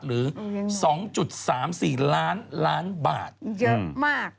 หรือ๒๓๔ล้านล้านบาทเยอะมาก